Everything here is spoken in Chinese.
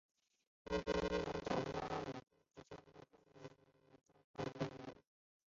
能人被认为是掌握了奥杜韦文化时期利用薄岩片和石芯的制造工艺。